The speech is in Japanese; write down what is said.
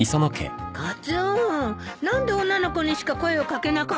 カツオ何で女の子にしか声を掛けなかったのよ。